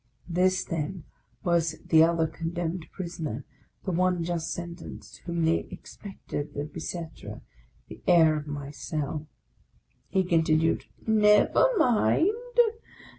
This, then, was the other condemned prisoner, the one just sen tenced, whom they expected at the Bicetre; the heir of my cell. He continued :" Never mind